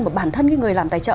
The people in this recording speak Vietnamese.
mà bản thân cái người làm tài trợ